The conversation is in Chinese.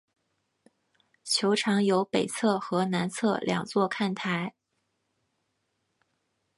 球场有北侧和南侧两座看台。